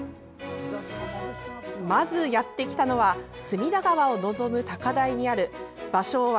まず、やってきたのは隅田川を望む高台にある芭蕉庵